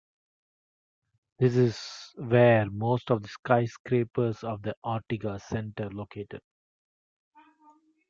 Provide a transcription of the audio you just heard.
This is where most of skyscrapers of Ortigas Center located.